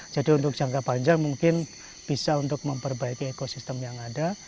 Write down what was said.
jadi untuk jangka panjang mungkin bisa untuk memperbaiki ekosistem yang ada